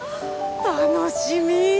楽しみ！